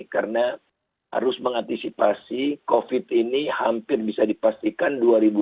karena harus mengantisipasi covid ini hampir bisa dipastikan dua ribu dua puluh satu